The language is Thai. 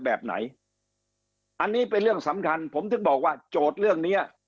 แบบไหนอันนี้เป็นเรื่องสำคัญผมถึงบอกว่าโจทย์เรื่องเนี้ย